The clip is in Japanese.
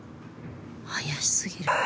怪しすぎる。